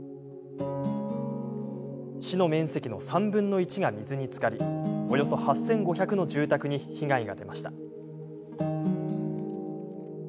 市の面積の３分の１が水につかりおよそ８５００の住宅に被害が出ました。